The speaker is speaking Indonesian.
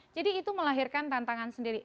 jadi itu melahirkan tantangan sendiri